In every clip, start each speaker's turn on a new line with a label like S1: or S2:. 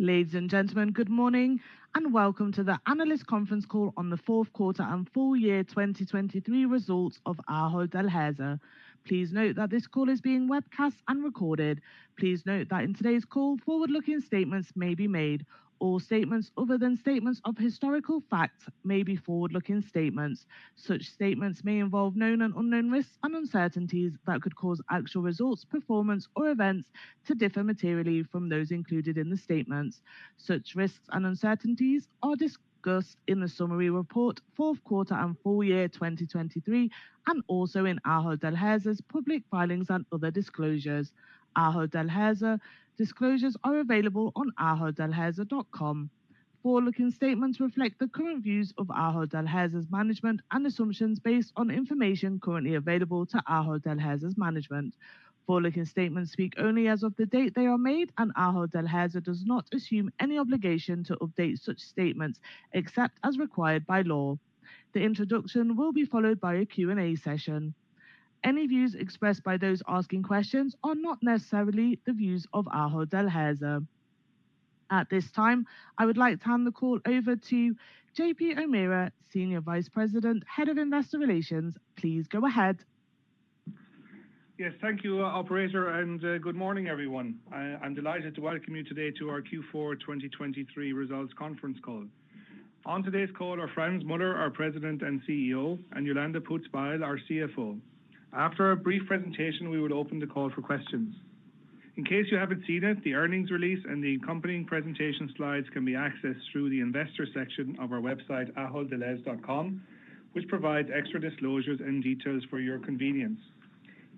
S1: Ladies and gentlemen, good morning, and welcome to the analyst conference call on the fourth quarter and full year 2023 results of Ahold Delhaize. Please note that this call is being webcast and recorded. Please note that in today's call, forward-looking statements may be made. All statements other than statements of historical facts may be forward-looking statements. Such statements may involve known and unknown risks and uncertainties that could cause actual results, performance, or events to differ materially from those included in the statements. Such risks and uncertainties are discussed in the summary report, fourth quarter and full year 2023, and also in Ahold Delhaize's public filings and other disclosures. Ahold Delhaize disclosures are available on aholddelhaize.com. Forward-looking statements reflect the current views of Ahold Delhaize's management and assumptions based on information currently available to Ahold Delhaize's management. Forward-looking statements speak only as of the date they are made, and Ahold Delhaize does not assume any obligation to update such statements except as required by law. The introduction will be followed by a Q&A session. Any views expressed by those asking questions are not necessarily the views of Ahold Delhaize. At this time, I would like to hand the call over to JP O'Meara, Senior Vice President, Head of Investor Relations. Please go ahead.
S2: Yes, thank you, operator, and good morning, everyone. I'm delighted to welcome you today to our Q4 2023 results conference call. On today's call are Frans Muller, our President and CEO, and Jolanda Poots-Bijl, our CFO. After a brief presentation, we will open the call for questions. In case you haven't seen it, the earnings release and the accompanying presentation slides can be accessed through the investor section of our website, aholddelhaize.com, which provides extra disclosures and details for your convenience.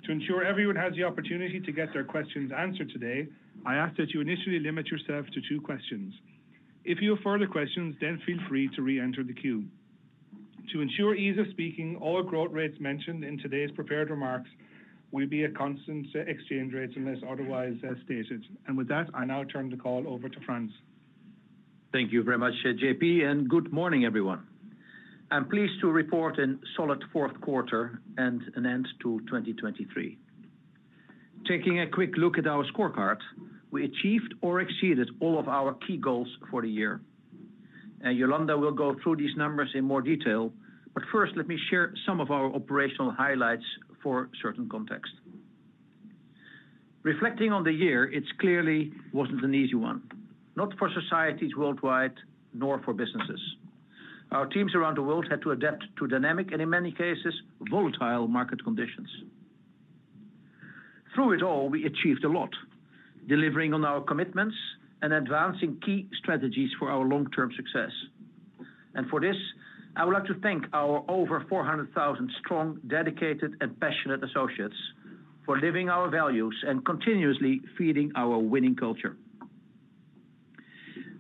S2: To ensure everyone has the opportunity to get their questions answered today, I ask that you initially limit yourself to two questions. If you have further questions, then feel free to reenter the queue. To ensure ease of speaking, all growth rates mentioned in today's prepared remarks will be at constant exchange rates unless otherwise stated. With that, I now turn the call over to Frans.
S3: Thank you very much, JP, and good morning, everyone. I'm pleased to report a solid fourth quarter and an end to 2023. Taking a quick look at our scorecard, we achieved or exceeded all of our key goals for the year, and Jolanda will go through these numbers in more detail. But first, let me share some of our operational highlights for certain context. Reflecting on the year, it clearly wasn't an easy one, not for societies worldwide, nor for businesses. Our teams around the world had to adapt to dynamic, and in many cases, volatile market conditions. Through it all, we achieved a lot, delivering on our commitments and advancing key strategies for our long-term success. And for this, I would like to thank our over 400,000 strong, dedicated, and passionate associates for living our values and continuously feeding our winning culture.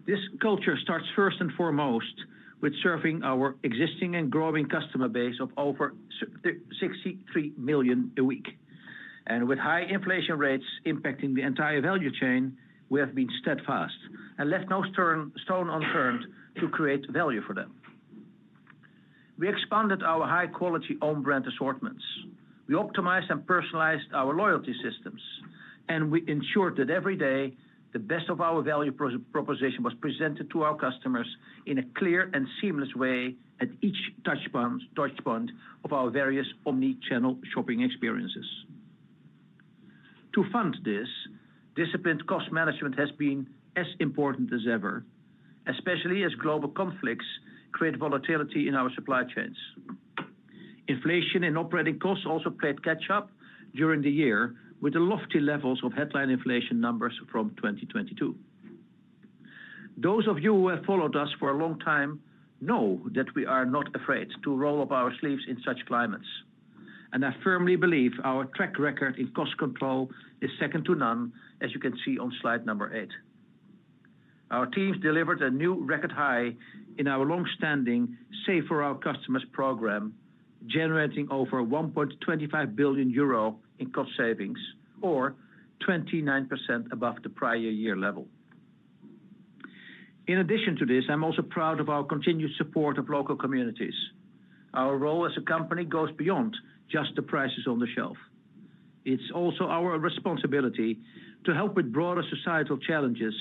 S3: This culture starts first and foremost with serving our existing and growing customer base of over 63 million a week. With high inflation rates impacting the entire value chain, we have been steadfast and left no stone unturned to create value for them. We expanded our high-quality own brand assortments, we optimized and personalized our loyalty systems, and we ensured that every day, the best of our value proposition was presented to our customers in a clear and seamless way at each touchpoint of our various omni-channel shopping experiences. To fund this, disciplined cost management has been as important as ever, especially as global conflicts create volatility in our supply chains. Inflation and operating costs also played catch up during the year, with the lofty levels of headline inflation numbers from 2022. Those of you who have followed us for a long time know that we are not afraid to roll up our sleeves in such climates, and I firmly believe our track record in cost control is second to none, as you can see on slide number eight. Our teams delivered a new record high in our long-standing Save for Our Customers program, generating over 1.25 billion euro in cost savings, or 29% above the prior year level. In addition to this, I'm also proud of our continued support of local communities. Our role as a company goes beyond just the prices on the shelf. It's also our responsibility to help with broader societal challenges,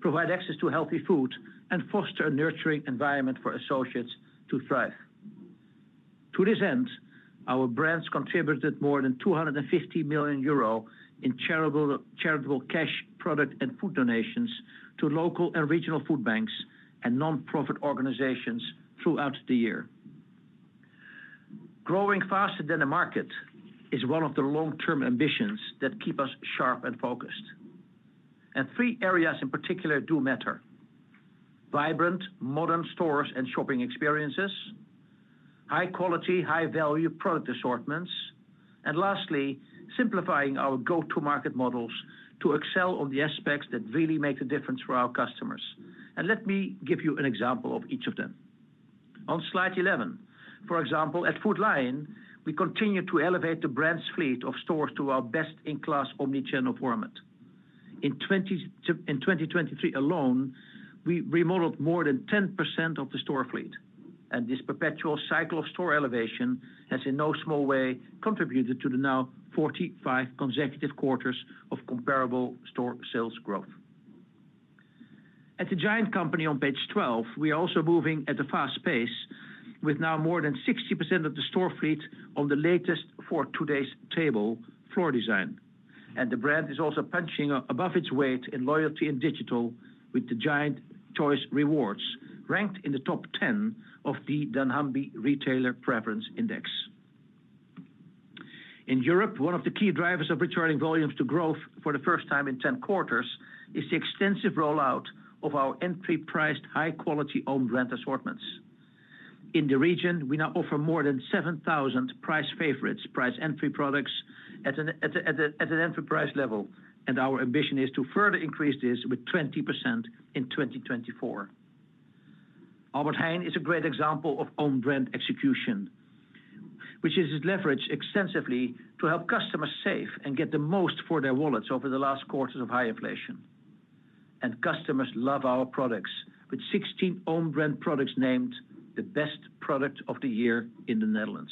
S3: provide access to healthy food, and foster a nurturing environment for associates to thrive. To this end, our brands contributed more than 250 million euro in charitable, charitable cash, product, and food donations to local and regional food banks and nonprofit organizations throughout the year. Growing faster than the market is one of the long-term ambitions that keep us sharp and focused, and three areas in particular do matter: vibrant, modern stores and shopping experiences, high quality, high-value product assortments, and lastly, simplifying our go-to-market models to excel on the aspects that really make a difference for our customers. And let me give you an example of each of them. On slide 11, for example, at Food Lion, we continue to elevate the brand's fleet of stores to our best-in-class omni-channel format. In 2023 alone, we remodeled more than 10% of the store fleet.... This perpetual cycle of store elevation has in no small way contributed to the now 45 consecutive quarters of comparable store sales growth. At The Giant Company on page 12, we are also moving at a fast pace, with now more than 60% of the store fleet on the latest For Today's Table floor design. The brand is also punching above its weight in loyalty and digital, with the Giant Choice Rewards, ranked in the top 10 of the dunnhumby Retailer Preference Index. In Europe, one of the key drivers of returning volumes to growth for the first time in 10 quarters, is the extensive rollout of our entry-priced, high-quality owned brand assortments. In the region, we now offer more than 7,000 Price Favorites, price entry products at an enterprise level, and our ambition is to further increase this with 20% in 2024. Albert Heijn is a great example of own brand execution, which is leveraged extensively to help customers save and get the most for their wallets over the last quarters of high inflation. Customers love our products, with 16 own brand products named the best product of the year in the Netherlands.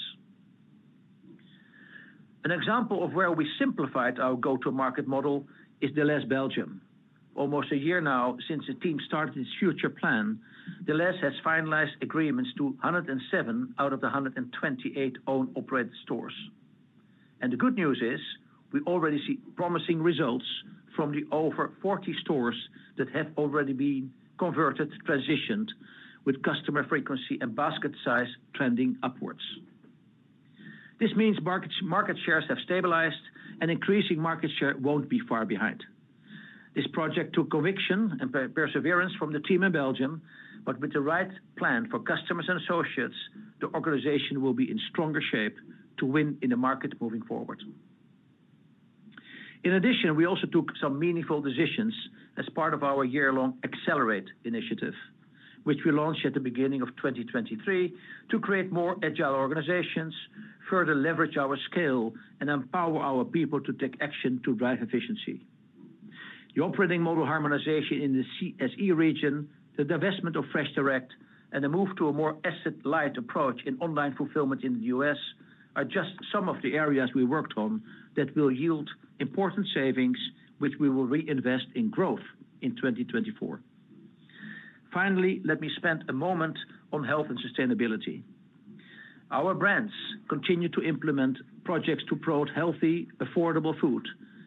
S3: An example of where we simplified our go-to-market model is Delhaize Belgium. Almost a year now, since the team started its future plan, Delhaize has finalized agreements to 107 out of the 128 own operated stores. The good news is, we already see promising results from the over 40 stores that have already been converted, transitioned, with customer frequency and basket size trending upwards. This means market, market shares have stabilized, and increasing market share won't be far behind. This project took conviction and perseverance from the team in Belgium, but with the right plan for customers and associates, the organization will be in stronger shape to win in the market moving forward. In addition, we also took some meaningful decisions as part of our year-long Accelerate initiative, which we launched at the beginning of 2023, to create more agile organizations, further leverage our scale, and empower our people to take action to drive efficiency. The operating model harmonization in the CSE region, the divestment of FreshDirect, and the move to a more asset-light approach in online fulfillment in the US, are just some of the areas we worked on that will yield important savings, which we will reinvest in growth in 2024. Finally, let me spend a moment on health and sustainability. Our brands continue to implement projects to promote healthy, affordable food,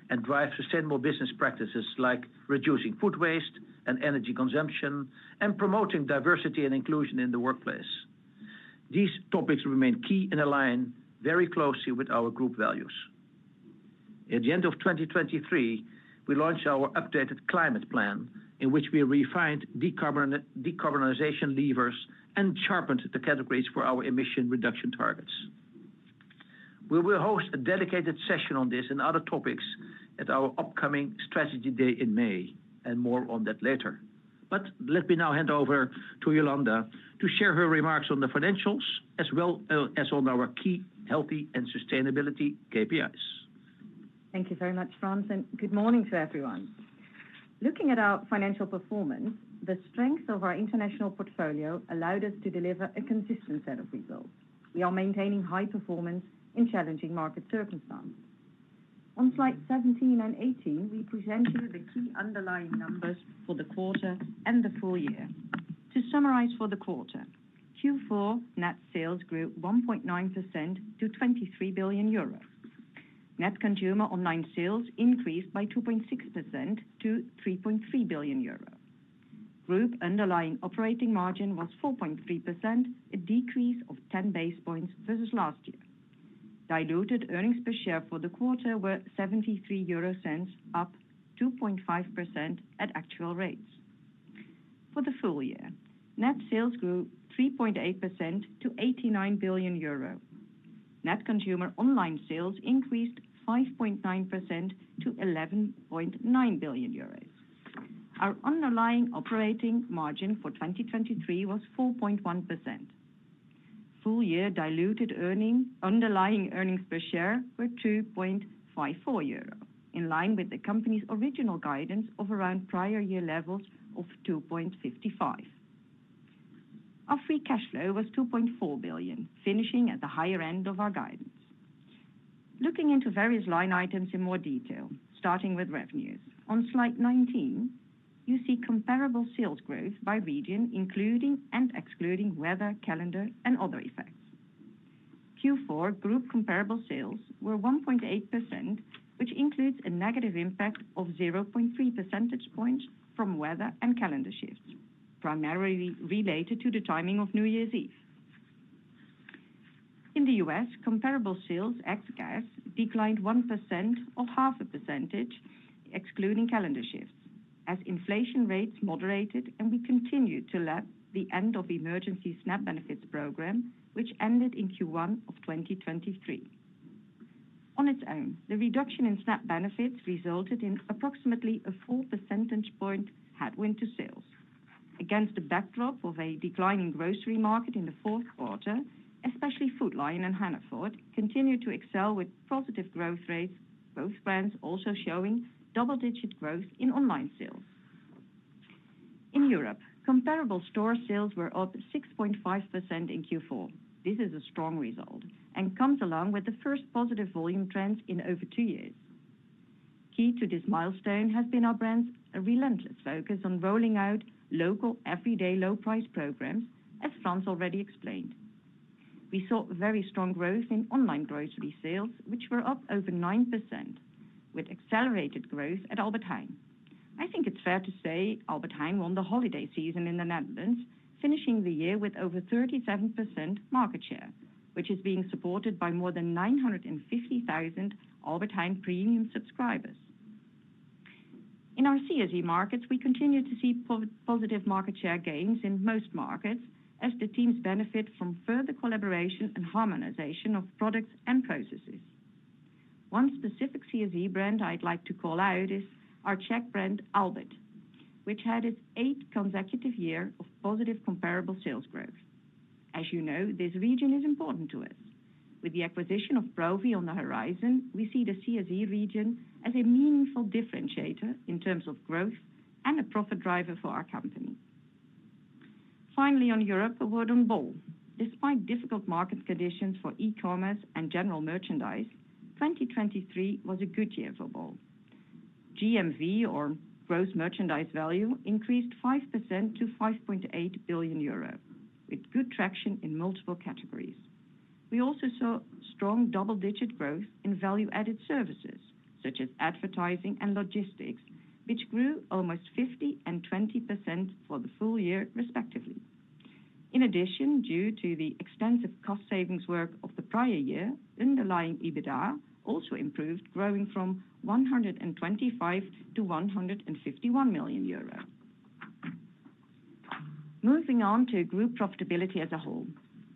S3: and drive sustainable business practices, like reducing food waste and energy consumption, and promoting diversity and inclusion in the workplace. These topics remain key and align very closely with our group values. At the end of 2023, we launched our updated climate plan, in which we refined decarbonization levers and sharpened the categories for our emission reduction targets. We will host a dedicated session on this and other topics at our upcoming strategy day in May, and more on that later. But let me now hand over to Jolanda to share her remarks on the financials, as well, as on our key healthy and sustainability KPIs.
S4: Thank you very much, Frans, and good morning to everyone. Looking at our financial performance, the strength of our international portfolio allowed us to deliver a consistent set of results. We are maintaining high performance in challenging market circumstances. On slide 17 and 18, we present you the key underlying numbers for the quarter and the full year. To summarize for the quarter, Q4 net sales grew 1.9% to 23 billion euros. Net consumer online sales increased by 2.6% to 3.3 billion euros. Group underlying operating margin was 4.3%, a decrease of 10 basis points versus last year. Diluted earnings per share for the quarter were 0.73, up 2.5% at actual rates. For the full year, net sales grew 3.8% to 89 billion euro. Net consumer online sales increased 5.9% to 11.9 billion euros. Our underlying operating margin for 2023 was 4.1%. Full year diluted earnings, underlying earnings per share were 2.54 euro, in line with the company's original guidance of around prior year levels of 2.55. Our free cash flow was 2.4 billion, finishing at the higher end of our guidance. Looking into various line items in more detail, starting with revenues. On slide 19, you see comparable sales growth by region, including and excluding weather, calendar, and other effects. Q4 group comparable sales were 1.8%, which includes a negative impact of 0.3 percentage points from weather and calendar shifts, primarily related to the timing of New Year's Eve. In the U.S., comparable sales, ex Gas, declined 1% or half a percentage, excluding calendar shifts, as inflation rates moderated and we continued to lap the end of emergency SNAP Benefits program, which ended in Q1 of 2023. On its own, the reduction in SNAP Benefits resulted in approximately a full percentage point headwind to sales. Against the backdrop of a declining grocery market in the fourth quarter, especially Food Lion and Hannaford continued to excel with positive growth rates, both brands also showing double-digit growth in online sales... In Europe, comparable store sales were up 6.5% in Q4. This is a strong result and comes along with the first positive volume trends in over two years. Key to this milestone has been our brands, a relentless focus on rolling out local, everyday low price programs, as Frans already explained. We saw very strong growth in online grocery sales, which were up over 9%, with accelerated growth at Albert Heijn. I think it's fair to say Albert Heijn won the holiday season in the Netherlands, finishing the year with over 37% market share, which is being supported by more than 950,000 Albert Heijn Premium subscribers. In our CSE markets, we continue to see positive market share gains in most markets as the teams benefit from further collaboration and harmonization of products and processes. One specific CSE brand I'd like to call out is our Czech brand, Albert, which had its eighth consecutive year of positive comparable sales growth. As you know, this region is important to us. With the acquisition of Profi on the horizon, we see the CSE region as a meaningful differentiator in terms of growth and a profit driver for our company. Finally, on Europe, a word on bol. Despite difficult market conditions for e-commerce and general merchandise, 2023 was a good year for bol. GMV, or gross merchandise value, increased 5% to 5.8 billion euro, with good traction in multiple categories. We also saw strong double-digit growth in value-added services, such as advertising and logistics, which grew almost 50% and 20% for the full year, respectively. In addition, due to the extensive cost savings work of the prior year, underlying EBITDA also improved, growing from 125 million to 151 million euro. Moving on to group profitability as a whole.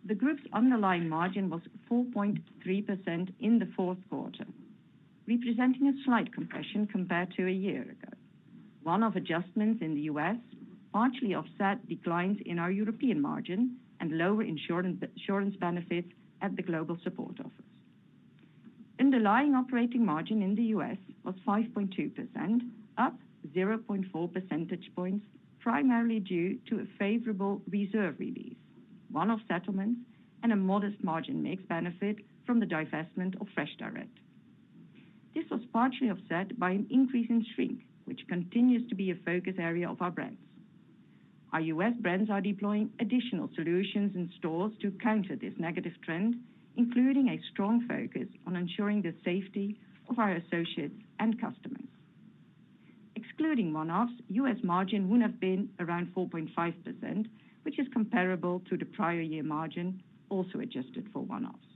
S4: The group's underlying margin was 4.3% in the fourth quarter, representing a slight compression compared to a year ago. One-off adjustments in the U.S. partially offset declines in our European margin and lower insurance, insurance benefits at the Global Support Office. Underlying operating margin in the U.S. was 5.2%, up 0.4 percentage points, primarily due to a favorable reserve release, one-off settlements, and a modest margin mix benefit from the divestment of FreshDirect. This was partially offset by an increase in shrink, which continues to be a focus area of our brands. Our U.S. brands are deploying additional solutions in stores to counter this negative trend, including a strong focus on ensuring the safety of our associates and customers. Excluding one-offs, US margin would have been around 4.5%, which is comparable to the prior year margin, also adjusted for one-offs.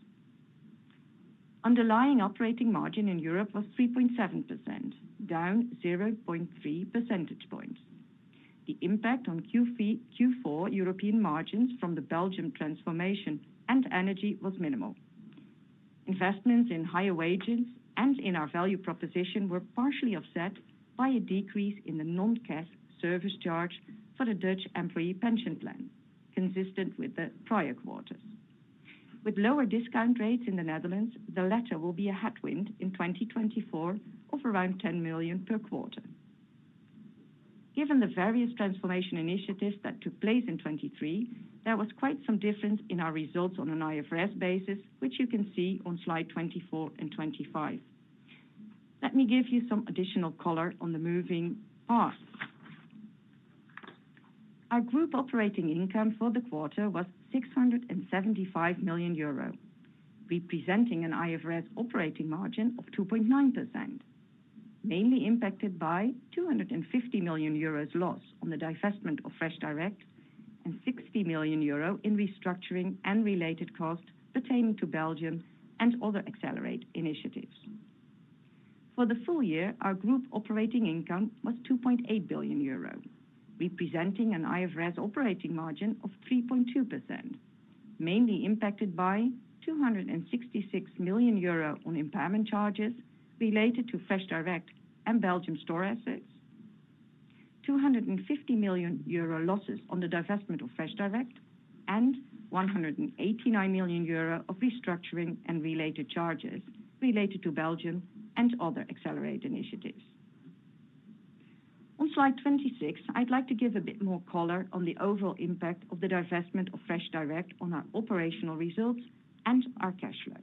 S4: Underlying operating margin in Europe was 3.7%, down 0.3 percentage points. The impact on Q4 European margins from the Belgium transformation and energy was minimal. Investments in higher wages and in our value proposition were partially offset by a decrease in the non-cash service charge for the Dutch employee pension plan, consistent with the prior quarters. With lower discount rates in the Netherlands, the latter will be a headwind in 2024 of around 10 million per quarter. Given the various transformation initiatives that took place in 2023, there was quite some difference in our results on an IFRS basis, which you can see on slide 24 and 25. Let me give you some additional color on the moving parts. Our group operating income for the quarter was 675 million euro, representing an IFRS operating margin of 2.9%, mainly impacted by 250 million euros loss on the divestment of FreshDirect, and 60 million euro in restructuring and related costs pertaining to Belgium and other accelerated initiatives. For the full year, our group operating income was 2.8 billion euro, representing an IFRS operating margin of 3.2%, mainly impacted by 266 million euro on impairment charges related to FreshDirect and Belgium store assets, 250 million euro losses on the divestment of FreshDirect, and 189 million euro of restructuring and related charges related to Belgium and other accelerated initiatives. On slide 26, I'd like to give a bit more color on the overall impact of the divestment of FreshDirect on our operational results and our cash flow.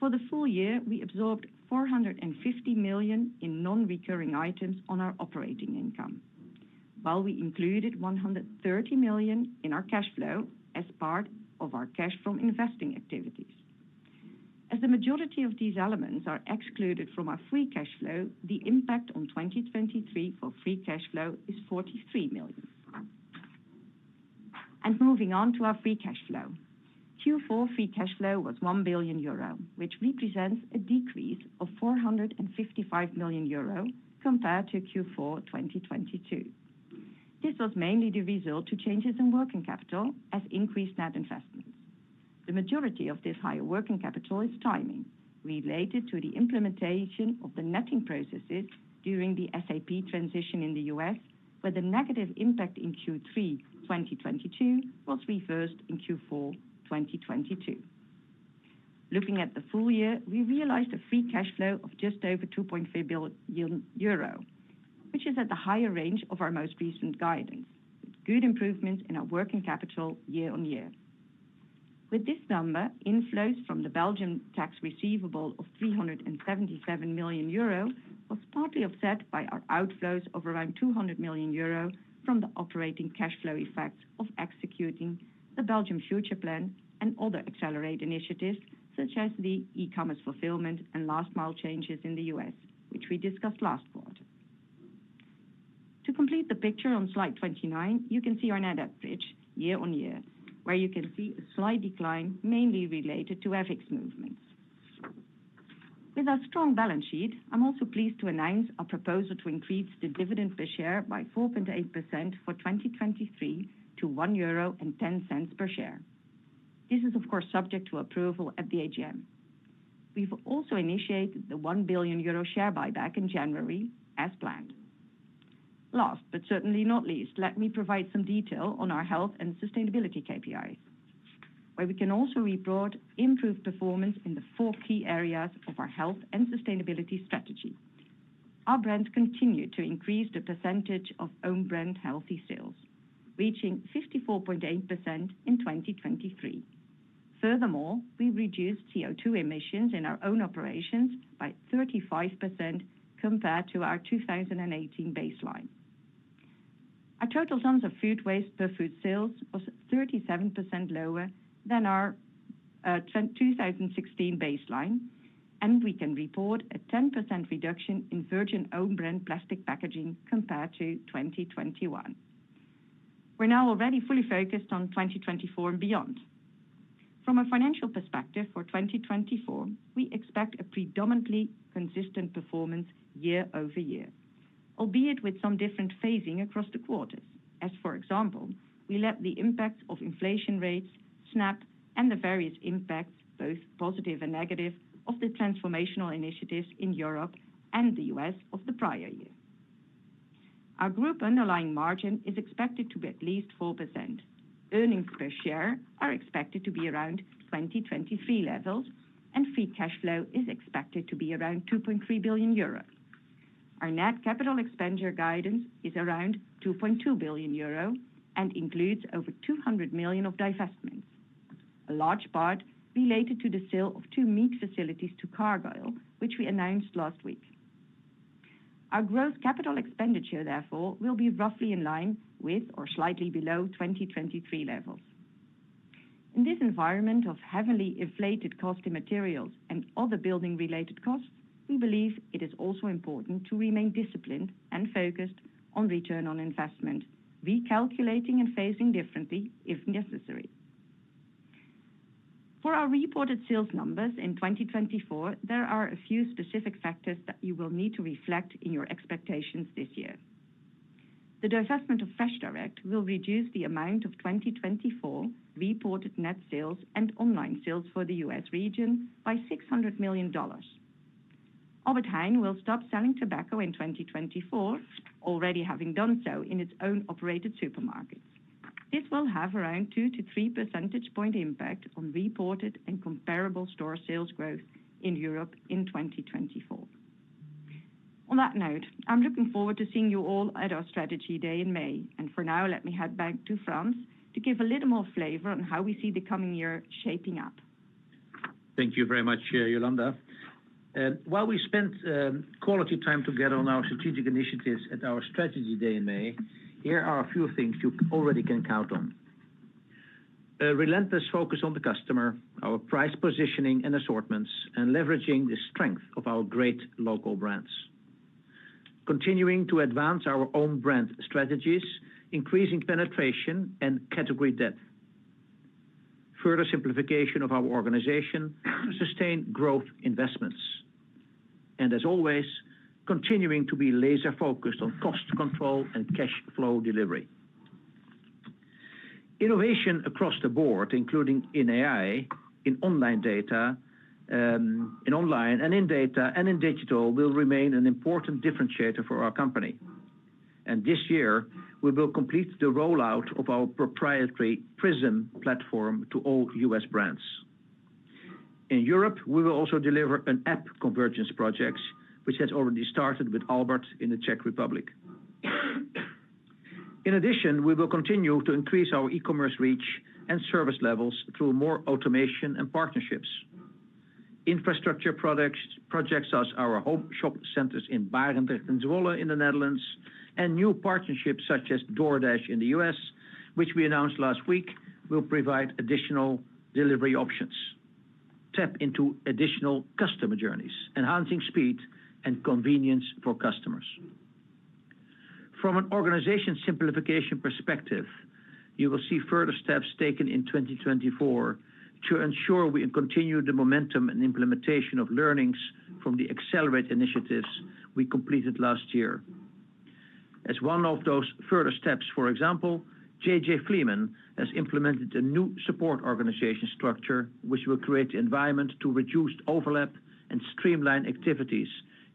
S4: For the full year, we absorbed 450 million in non-recurring items on our operating income, while we included 130 million in our cash flow as part of our cash from investing activities. As the majority of these elements are excluded from our free cash flow, the impact on 2023 for free cash flow is 43 million. Moving on to our free cash flow. Q4 free cash flow was 1 billion euro, which represents a decrease of 455 million euro compared to Q4 2022. This was mainly the result to changes in working capital as increased net investments. The majority of this higher working capital is timing related to the implementation of the netting processes during the SAP transition in the U.S., where the negative impact in Q3 2022 was reversed in Q4 2022. Looking at the full year, we realized a free cash flow of just over 2.3 billion euro, which is at the higher range of our most recent guidance, with good improvement in our working capital year-on-year. With this number, inflows from the Belgian tax receivable of 377 million euro was partly offset by our outflows of around 200 million euro from the operating cash flow effects of executing the Belgium Future Plan and other accelerated initiatives, such as the e-commerce fulfillment and last mile changes in the U.S., which we discussed last quarter. To complete the picture on slide 29, you can see our net average year-on-year, where you can see a slight decline, mainly related to FX movements. With our strong balance sheet, I'm also pleased to announce a proposal to increase the dividend per share by 4.8% for 2023 to €1.10 per share. This is, of course, subject to approval at the AGM. We've also initiated the €1 billion share buyback in January, as planned. Last, but certainly not least, let me provide some detail on our health and sustainability KPIs, where we can also report improved performance in the four key areas of our health and sustainability strategy. Our brands continue to increase the percentage of own brand healthy sales, reaching 54.8% in 2023. Furthermore, we reduced CO2 emissions in our own operations by 35% compared to our 2018 baseline. Our total tons of food waste per food sales was 37% lower than our 2016 baseline, and we can report a 10% reduction in virgin own brand plastic packaging compared to 2021. We're now already fully focused on 2024 and beyond. From a financial perspective for 2024, we expect a predominantly consistent performance year-over-year, albeit with some different phasing across the quarters. As for example, we let the impact of inflation rates, SNAP, and the various impacts, both positive and negative, of the transformational initiatives in Europe and the U.S. of the prior year. Our group underlying margin is expected to be at least 4%. Earnings per share are expected to be around 2023 levels, and free cash flow is expected to be around 2.3 billion euros. Our net capital expenditure guidance is around 2.2 billion euro and includes over 200 million of divestments, a large part related to the sale of two meat facilities to Cargill, which we announced last week. Our growth capital expenditure, therefore, will be roughly in line with or slightly below 2023 levels. In this environment of heavily inflated cost of materials and other building related costs, we believe it is also important to remain disciplined and focused on return on investment, recalculating and phasing differently if necessary. For our reported sales numbers in 2024, there are a few specific factors that you will need to reflect in your expectations this year. The divestment of FreshDirect will reduce the amount of 2024 reported net sales and online sales for the US region by $600 million. Albert Heijn will stop selling tobacco in 2024, already having done so in its own operated supermarkets. This will have around 2-3 percentage point impact on reported and comparable store sales growth in Europe in 2024. On that note, I'm looking forward to seeing you all at our strategy day in May, and for now, let me head back to Frans to give a little more flavor on how we see the coming year shaping up.
S3: Thank you very much, Jolanda. While we spent quality time together on our strategic initiatives at our strategy day in May, here are a few things you already can count on. A relentless focus on the customer, our price positioning and assortments, and leveraging the strength of our great local brands. Continuing to advance our own brand strategies, increasing penetration and category depth. Further simplification of our organization to sustain growth investments, and as always, continuing to be laser focused on cost control and cash flow delivery. Innovation across the board, including in AI, in online data, in online and in data, and in digital, will remain an important differentiator for our company. And this year, we will complete the rollout of our proprietary PRISM platform to all U.S. brands. In Europe, we will also deliver an app convergence projects, which has already started with Albert in the Czech Republic. In addition, we will continue to increase our e-commerce reach and service levels through more automation and partnerships. Infrastructure products, projects, as our Home Shop Centers in Barendrecht and Zwolle in the Netherlands, and new partnerships such as DoorDash in the U.S., which we announced last week, will provide additional delivery options, tap into additional customer journeys, enhancing speed and convenience for customers. From an organization simplification perspective, you will see further steps taken in 2024 to ensure we continue the momentum and implementation of learnings from the accelerate initiatives we completed last year. As one of those further steps, for example, JJ Fleeman has implemented a new support organization structure, which will create the environment to reduce overlap and streamline activities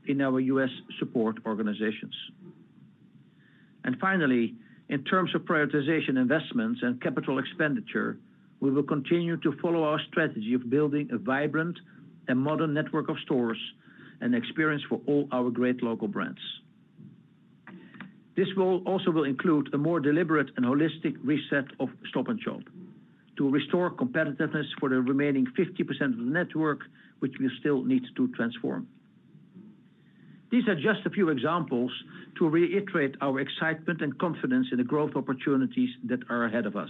S3: in our U.S. support organizations.... And finally, in terms of prioritization investments and capital expenditure, we will continue to follow our strategy of building a vibrant and modern network of stores and experience for all our great local brands. This will also include a more deliberate and holistic reset of Stop & Shop, to restore competitiveness for the remaining 50% of the network, which we still need to transform. These are just a few examples to reiterate our excitement and confidence in the growth opportunities that are ahead of us.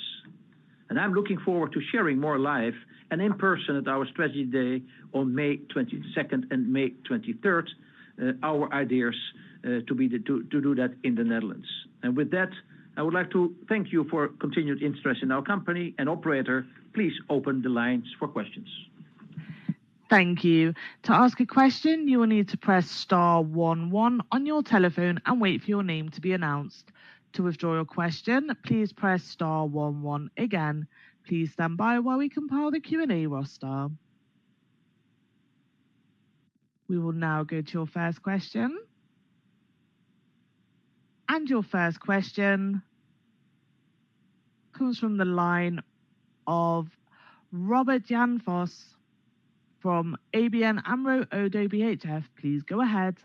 S3: And I'm looking forward to sharing more live and in person at our strategy day on May 22nd and May 23rd, our ideas, to be the, to, to do that in the Netherlands. And with that, I would like to thank you for continued interest in our company and, operator, please open the lines for questions.
S1: Thank you. To ask a question, you will need to press star one one on your telephone and wait for your name to be announced. To withdraw your question, please press star one one again. Please stand by while we compile the Q&A roster. We will now go to your first question. And your first question comes from the line of Robert Jan Vos from ABN AMRO ODDO BHF. Please go ahead.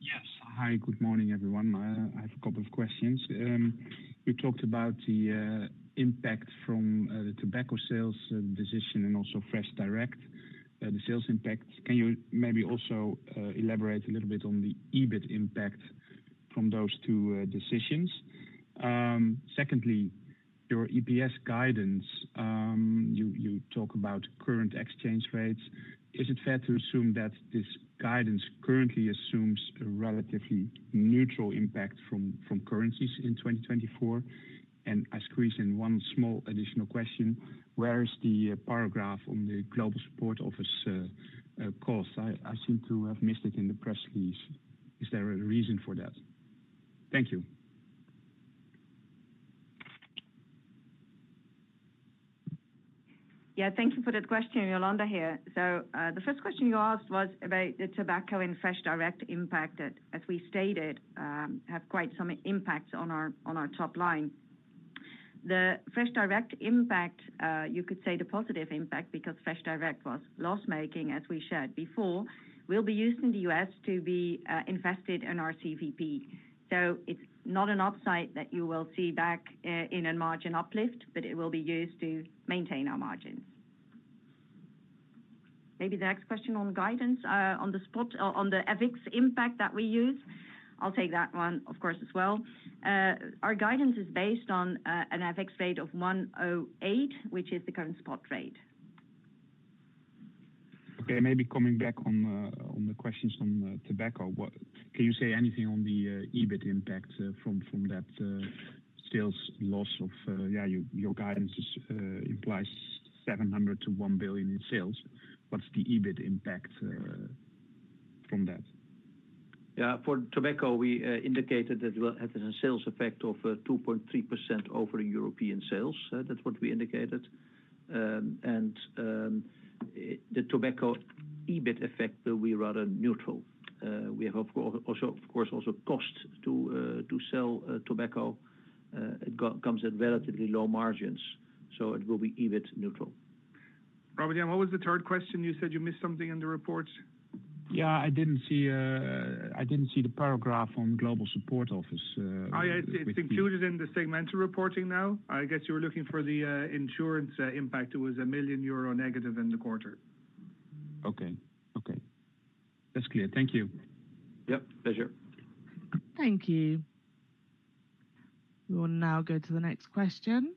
S5: Yes. Hi, good morning, everyone. I have a couple of questions. You talked about the impact from the tobacco sales decision and also FreshDirect, the sales impact. Can you maybe also elaborate a little bit on the EBIT impact from those two decisions? Secondly, your EPS guidance, you talk about current exchange rates. Is it fair to assume that this guidance currently assumes a relatively neutral impact from currencies in 2024? And I squeeze in one small additional question: Where is the paragraph on the Global Support Office cost? I seem to have missed it in the press release. Is there a reason for that? Thank you.
S4: Yeah, thank you for that question, Jolanda here. So, the first question you asked was about the tobacco and FreshDirect impact that, as we stated, have quite some impact on our, on our top line. The FreshDirect impact, you could say the positive impact, because FreshDirect was loss-making, as we shared before, will be used in the U.S. to be, invested in our CVP. So it's not an upside that you will see back, in a margin uplift, but it will be used to maintain our margins. Maybe the next question on guidance, on the spot, on the FX impact that we use. I'll take that one, of course, as well. Our guidance is based on, an FX rate of 1.08, which is the current spot rate.
S5: Okay, maybe coming back on the questions on tobacco. What can you say anything on the EBIT impact from that sales loss of yeah, your guidance implies 700 million-1 billion in sales. What's the EBIT impact from that?
S3: Yeah, for tobacco, we indicated that it will have a sales effect of 2.3% over European sales. That's what we indicated. And the tobacco EBIT effect will be rather neutral. We have of course also costs to sell tobacco. It comes at relatively low margins, so it will be EBIT neutral.
S2: Robert, what was the third question? You said you missed something in the report.
S5: Yeah, I didn't see, I didn't see the paragraph on Global Support Office,
S2: Oh, yeah, it's included in the segmental reporting now. I guess you were looking for the insurance impact. It was 1 million euro negative in the quarter.
S5: Okay. Okay, that's clear. Thank you.
S2: Yep, pleasure.
S1: Thank you. We will now go to the next question.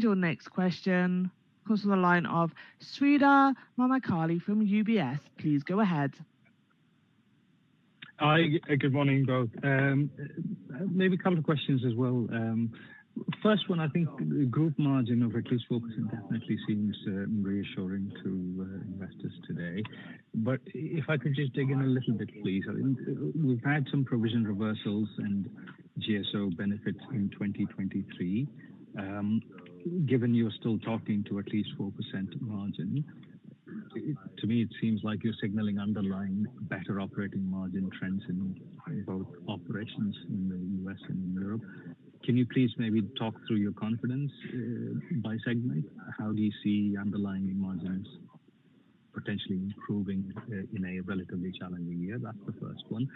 S1: Your next question goes to the line of Sreedhar Mahamkali from UBS. Please go ahead.
S6: Hi. Good morning, both. Maybe a couple of questions as well. First one, I think the group margin of at least 4% definitely seems reassuring to investors today. But if I could just dig in a little bit, please. I think we've had some provision reversals and GSO benefits in 2023. Given you're still talking to at least 4% margin, to me, it seems like you're signaling underlying better operating margin trends in both operations in the U.S. and in Europe. Can you please maybe talk through your confidence by segment? How do you see underlying margins potentially improving in a relatively challenging year? That's the first one.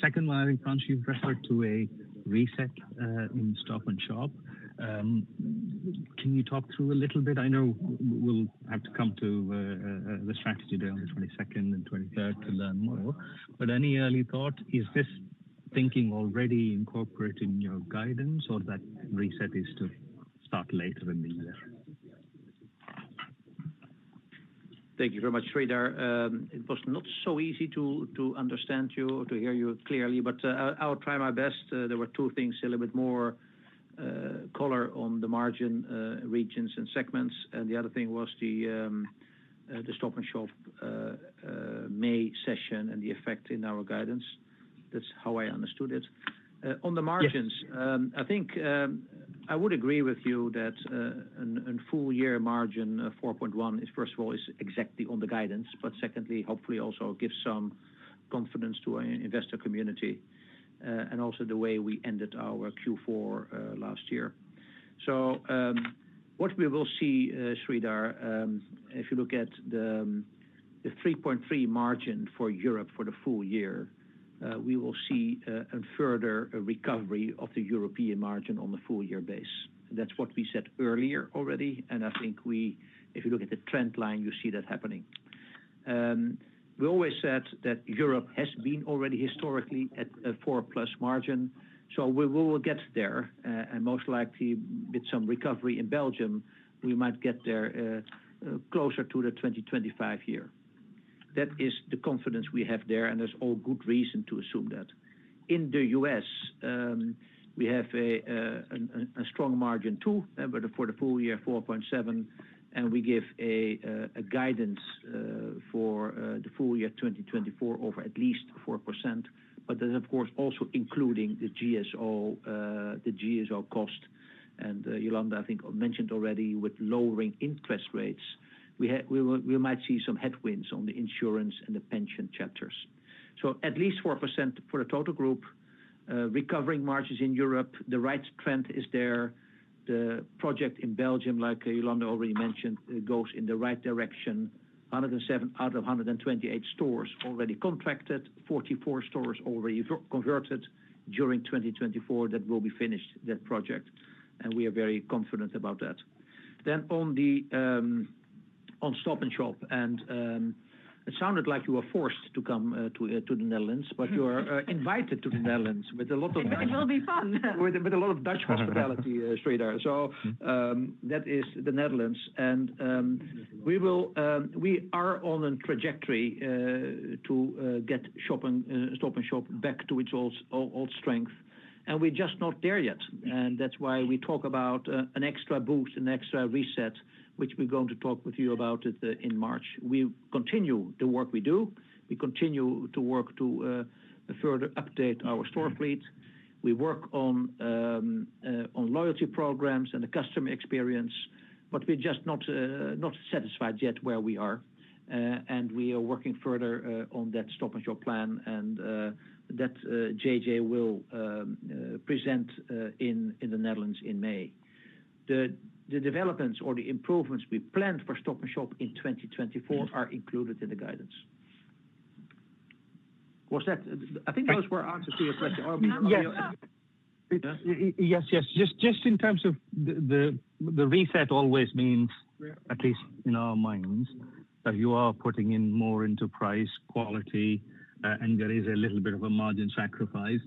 S6: Second one, I think you've referred to a reset in Stop & Shop. Can you talk through a little bit? I know we'll have to come to the 22nd and 23rd to learn more, but any early thought, is this thinking already incorporated in your guidance, or that reset is to start later in the year?
S3: Thank you very much, Sreedhar. It was not so easy to understand you or to hear you clearly, but I'll try my best. There were two things, a little bit more color on the margin, regions and segments, and the other thing was the Stop & Shop May session and the effect in our guidance. That's how I understood it. On the margins, I think I would agree with you that a full year margin of 4.1 is, first of all, exactly on the guidance, but secondly, hopefully also gives some confidence to our investor community, and also the way we ended our Q4 last year. So, what we will see, Sreedhar, if you look at the 3.3 margin for Europe for the full year, we will see a further recovery of the European margin on the full year base. That's what we said earlier already, and I think we, if you look at the trend line, you see that happening. We always said that Europe has been already historically at a 4+ margin, so we will get there, and most likely with some recovery in Belgium, we might get there closer to the 2025 year. That is the confidence we have there, and there's all good reason to assume that. In the US, we have a strong margin too, but for the full year, 4.7, and we give a guidance for the full year 2024 over at least 4%. But then, of course, also including the GSO, the GSO cost, and Jolanda, I think, mentioned already with lowering interest rates, we might see some headwinds on the insurance and the pension chapters. So at least 4% for the total group, recovering margins in Europe, the right trend is there. The project in Belgium, like Jolanda already mentioned, it goes in the right direction. 107 out of 128 stores already contracted, 44 stores already converted during 2024, that will be finished, that project, and we are very confident about that. Then on Stop & Shop, and it sounded like you were forced to come to the Netherlands, but you are invited to the Netherlands with a lot of-
S4: It will be fun!
S3: With a lot of Dutch hospitality, Sreedhar. So, that is the Netherlands, and we are on a trajectory to get shopping Stop & Shop back to its old strength, and we're just not there yet. That's why we talk about an extra boost, an extra reset, which we're going to talk with you about in March. We continue the work we do. We continue to work to further update our store fleet. We work on loyalty programs and the customer experience, but we're just not satisfied yet where we are, and we are working further on that Stop & Shop plan, and that JJ will present in the Netherlands in May. The developments or the improvements we planned for Stop & Shop in 2024 are included in the guidance. Was that—I think those were answers to your questions.
S4: No, yeah.
S6: Yes, yes, yes. Just in terms of the reset always means, at least in our minds, that you are putting in more into price, quality, and there is a little bit of a margin sacrifice.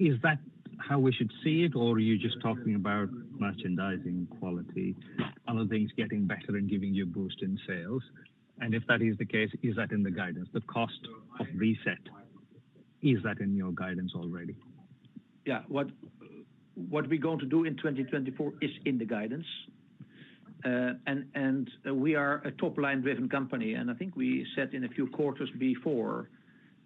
S6: Is that how we should see it, or are you just talking about merchandising quality, other things getting better and giving you a boost in sales? And if that is the case, is that in the guidance, the cost of reset, is that in your guidance already?
S3: Yeah, what we're going to do in 2024 is in the guidance. And we are a top-line-driven company, and I think we said in a few quarters before,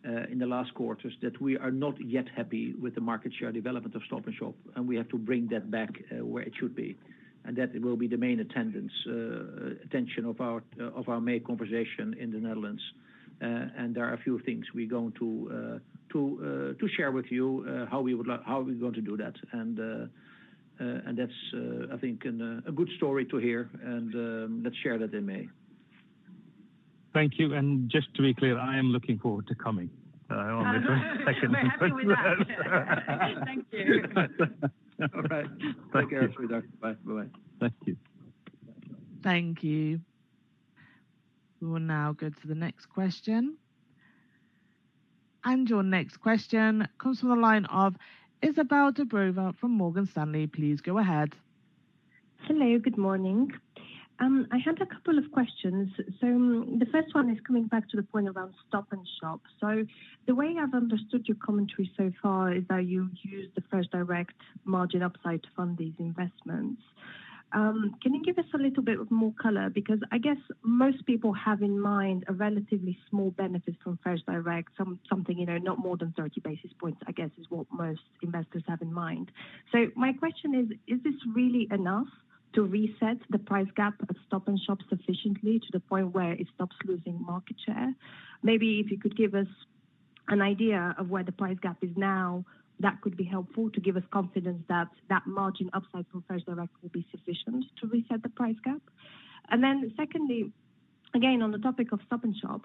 S3: in the last quarters, that we are not yet happy with the market share development of Stop & Shop, and we have to bring that back, where it should be. And that will be the main attention of our main conversation in the Netherlands. And there are a few things we're going to share with you how we're going to do that. And that's, I think, a good story to hear, and let's share that in May.
S6: Thank you. Just to be clear, I am looking forward to coming. I want to make sure.
S4: We're happy with that. Thank you.
S3: All right. Take care, Sreedhar. Bye. Bye-bye.
S6: Thank you.
S1: Thank you. We will now go to the next question. Your next question comes from the line of Izabel Dobreva from Morgan Stanley. Please go ahead.
S7: Hello, good morning. I had a couple of questions. So the first one is coming back to the point around Stop & Shop. So the way I've understood your commentary so far is that you've used the FreshDirect margin upside to fund these investments. Can you give us a little bit more color? Because I guess most people have in mind a relatively small benefit from FreshDirect, something, you know, not more than 30 basis points, I guess, is what most investors have in mind. So my question is, is this really enough to reset the price gap of Stop & Shop sufficiently to the point where it stops losing market share? Maybe if you could give us an idea of where the price gap is now, that could be helpful to give us confidence that that margin upside from FreshDirect will be sufficient to reset the price gap. Then secondly, again, on the topic of Stop & Shop,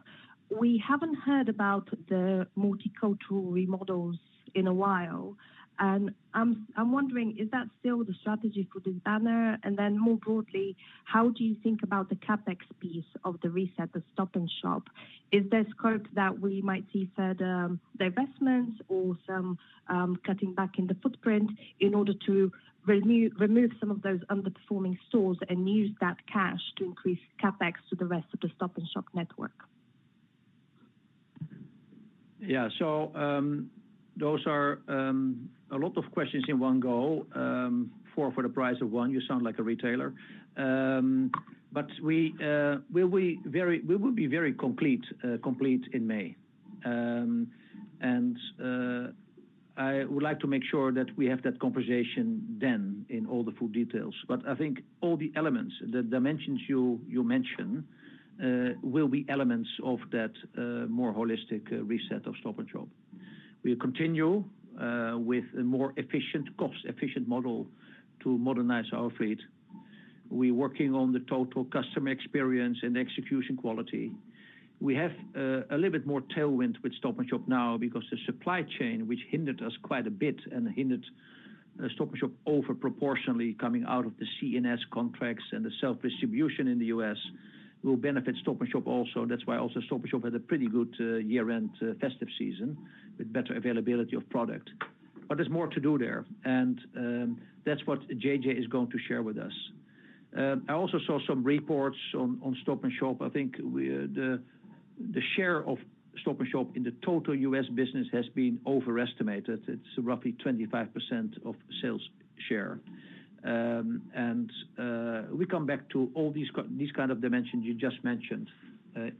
S7: we haven't heard about the multicultural remodels in a while, and I'm wondering, is that still the strategy for this banner? And then more broadly, how do you think about the CapEx piece of the reset of Stop & Shop? Is there scope that we might see further divestments or some cutting back in the footprint in order to remove some of those underperforming stores and use that cash to increase CapEx to the rest of the Stop & Shop network?
S3: Yeah. So, those are a lot of questions in one go, four for the price of one. You sound like a retailer. But we will be very complete in May. And I would like to make sure that we have that conversation then in all the full details. But I think all the elements, the dimensions you mentioned, will be elements of that more holistic reset of Stop & Shop. We continue with a more efficient, cost-efficient model to modernize our fleet. We're working on the total customer experience and execution quality. We have a little bit more tailwind with Stop & Shop now because the supply chain, which hindered us quite a bit and hindered Stop & Shop over proportionally coming out of the C&S contracts and the self-distribution in the U.S., will benefit Stop & Shop also. That's why also Stop & Shop had a pretty good year-end festive season with better availability of product. But there's more to do there, and that's what JJ is going to share with us. I also saw some reports on Stop & Shop. I think the share of Stop & Shop in the total U.S. business has been overestimated. It's roughly 25% of sales share. We come back to all these kind of dimensions you just mentioned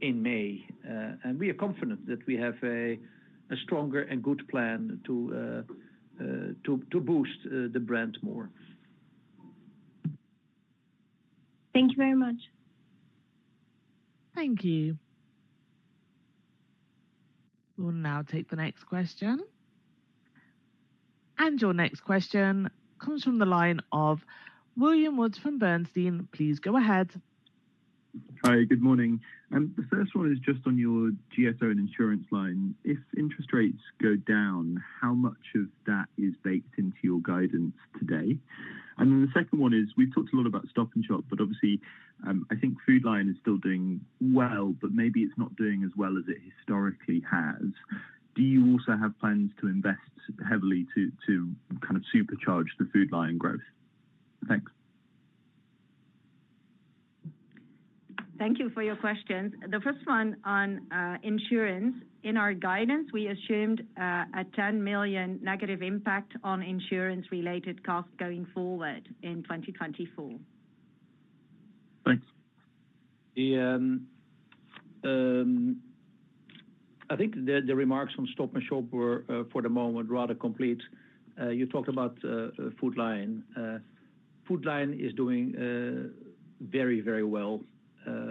S3: in May, and we are confident that we have a stronger and good plan to boost the brand more.
S7: Thank you very much.
S1: Thank you. We'll now take the next question. Your next question comes from the line of William Woods from Bernstein. Please go ahead.
S8: Hi, good morning. The first one is just on your GSO and insurance line. If interest rates go down, how much of that is baked into your guidance today? And then the second one is, we've talked a lot about Stop & Shop, but obviously, I think Food Lion is still doing well, but maybe it's not doing as well as it historically has. Do you also have plans to invest heavily to kind of supercharge the Food Lion growth? Thanks.
S4: Thank you for your questions. The first one on insurance. In our guidance, we assumed a 10 million negative impact on insurance-related costs going forward in 2024.
S8: Thanks.
S3: I think the remarks from Stop & Shop were, for the moment, rather complete. You talked about Food Lion. Food Lion is doing very, very well,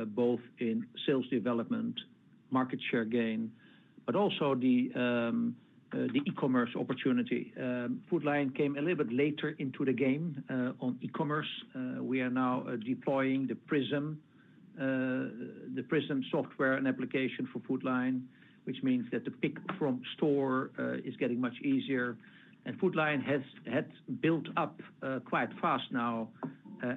S3: both in sales development, market share gain, but also the e-commerce opportunity. Food Lion came a little bit later into the game on e-commerce. We are now deploying the PRISM software and application for Food Lion, which means that the pick from store is getting much easier. And Food Lion has had built up quite fast now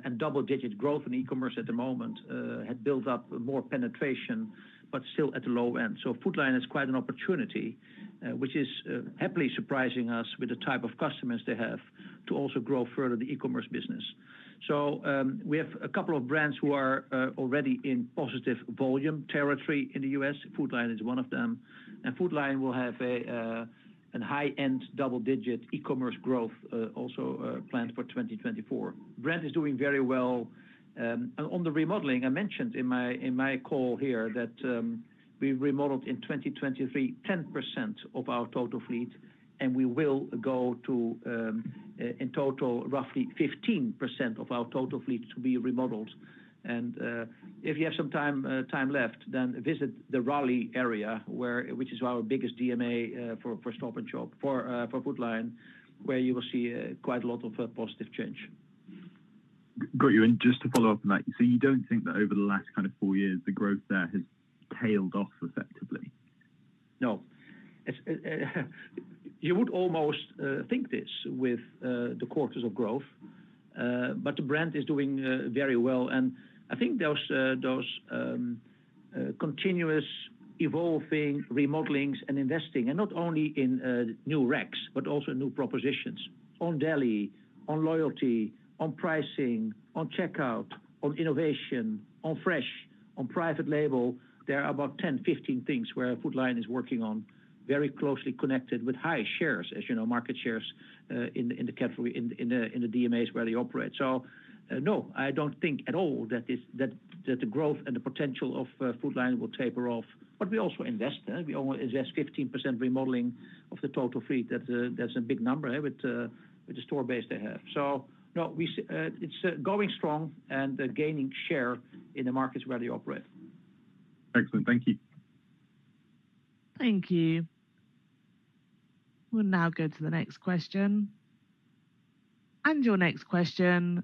S3: and double-digit growth in e-commerce at the moment, had built up more penetration, but still at the low end. So Food Lion is quite an opportunity, which is happily surprising us with the type of customers they have to also grow further the e-commerce business. So we have a couple of brands who are already in positive volume territory in the US. Food Lion is one of them. And Food Lion will have a high-end double-digit e-commerce growth also planned for 2024. Brand is doing very well. And on the remodeling, I mentioned in my call here that we remodeled in 2023, 10% of our total fleet, and we will go to in total, roughly 15% of our total fleet to be remodeled. If you have some time left, then visit the Raleigh area, which is our biggest DMA for Stop & Shop for Food Lion, where you will see quite a lot of positive change.
S8: Got you, and just to follow up on that, so you don't think that over the last kind of four years, the growth there has tailed off effectively?
S3: No. It's, you would almost think this with the quarters of growth, but the brand is doing very well. And I think those, those continuous evolving remodelings and investing, and not only in new recs, but also new propositions on deli, on loyalty, on pricing, on checkout, on innovation, on fresh, on private label. There are about 10, 15 things where Food Lion is working on very closely connected with high shares, as you know, market shares, in the category, in the DMAs where they operate. So, no, I don't think at all that this, that the growth and the potential of Food Lion will taper off. But we also invest, we only invest 15% remodeling of the total fleet. That's a, that's a big number, eh? With the store base they have. So no, it's going strong and gaining share in the markets where they operate.
S8: Excellent. Thank you.
S1: Thank you. We'll now go to the next question. Your next question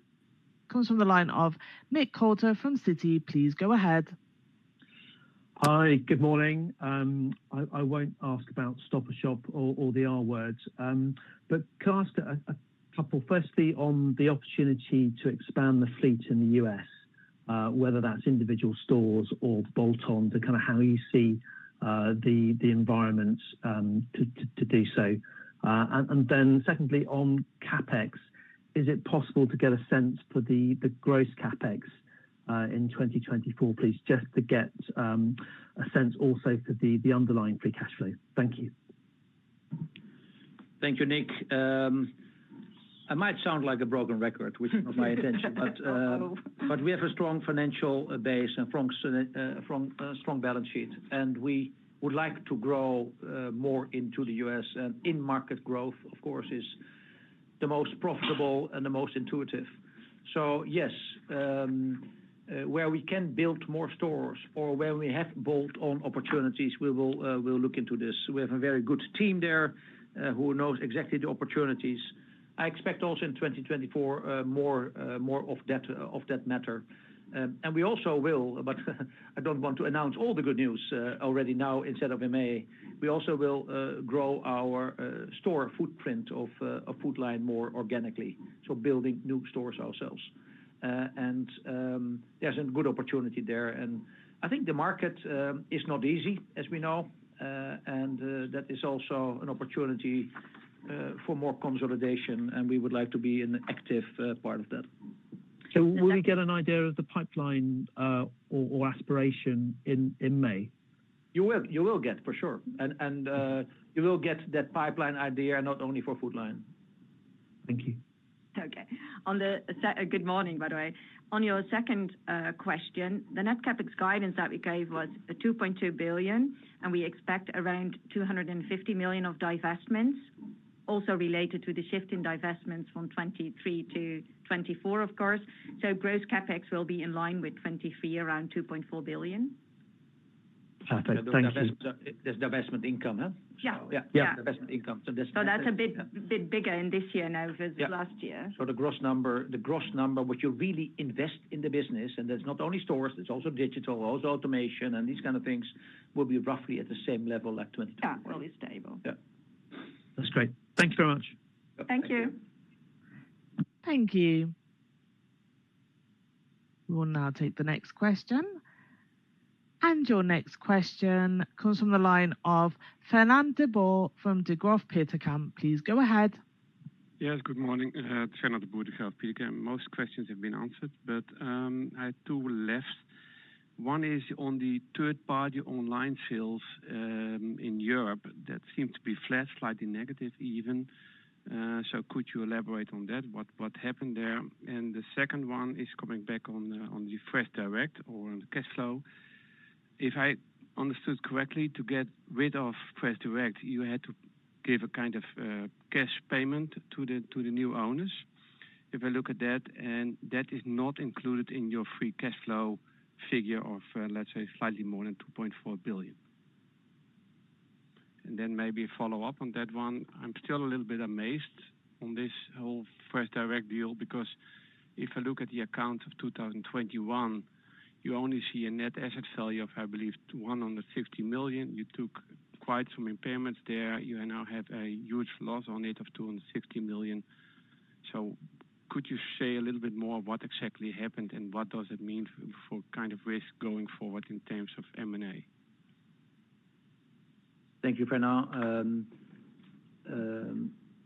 S1: comes from the line of Nick Coulter from Citi. Please go ahead.
S9: Hi, good morning. I won't ask about Stop & Shop or the R words, but can I ask a couple? Firstly, on the opportunity to expand the fleet in the U.S., whether that's individual stores or bolt on to kind of how you see the environments to do so. And then secondly, on CapEx, is it possible to get a sense for the gross CapEx in 2024, please? Just to get a sense also for the underlying free cash flow. Thank you.
S3: Thank you, Nick. I might sound like a broken record, which is not my intention.
S4: Not at all.
S3: But we have a strong financial base and strong balance sheet, and we would like to grow more into the U.S. And in-market growth, of course, is the most profitable and the most intuitive. So yes, where we can build more stores or where we have bolt-on opportunities, we will, we'll look into this. We have a very good team there, who knows exactly the opportunities. I expect also in 2024, more of that matter. And we also will, but I don't want to announce all the good news already now instead of in May. We also will grow our store footprint of Food Lion more organically, so building new stores ourselves. And there's a good opportunity there. I think the market is not easy, as we know, and that is also an opportunity for more consolidation, and we would like to be an active part of that.
S9: So will we get an idea of the pipeline or aspiration in May?
S3: You will get, for sure. You will get that pipeline idea not only for Food Lion.
S9: Thank you.
S4: Okay. Good morning, by the way. On your second question, the net CapEx guidance that we gave was 2.2 billion, and we expect around 250 million of divestments, also related to the shift in divestments from 2023 to 2024, of course. So gross CapEx will be in line with 2023, around 2.4 billion.
S9: Perfect. Thank you.
S3: There's divestment income, huh?
S4: Yeah.
S3: Yeah.
S9: Yeah.
S3: Divestment income.
S4: That's a bit bigger in this year now versus-
S3: Yeah...
S4: last year.
S3: The gross number, the gross number, which you really invest in the business, and that's not only stores, it's also digital, also automation, and these kind of things will be roughly at the same level at 2023.
S4: Yeah, really stable.
S3: Yeah.
S9: That's great. Thank you very much.
S3: Yep.
S4: Thank you.
S1: Thank you. We will now take the next question. Your next question comes from the line of Fernand de Boer from Degroof Petercam. Please go ahead.
S10: Yes, good morning, Fernand de Boer, Degroof Petercam. Most questions have been answered, but, I have two left. One is on the third-party online sales, in Europe. That seemed to be flat, slightly negative even. So could you elaborate on that? What, what happened there? And the second one is coming back on, on the FreshDirect or on the cash flow. If I understood correctly, to get rid of FreshDirect, you had to give a kind of, cash payment to the, to the new owners. If I look at that, and that is not included in your free cash flow figure of, let's say, slightly more than 2.4 billion. Then maybe a follow-up on that one, I'm still a little bit amazed on this whole FreshDirect deal, because if I look at the account of 2021, you only see a net asset sale of, I believe, 150 million. You took quite some impairments there. You now have a huge loss on it of 260 million. So could you say a little bit more of what exactly happened and what does it mean for kind of risk going forward in terms of M&A?
S3: Thank you, Fernand.